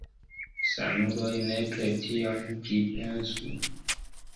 Sanuloj nepre tion pripensu.